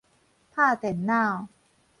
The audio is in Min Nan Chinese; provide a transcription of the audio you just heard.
拍電腦